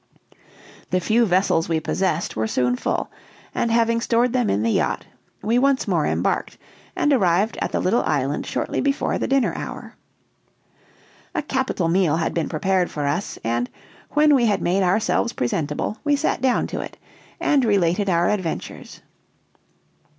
The few vessels we possessed were soon full, and having stored them in the yacht, we once more embarked and arrived at the little island shortly before the dinner hour. A capital meal had been prepared for us, and, when we had made ourselves presentable, we sat down to it, and related our adventures.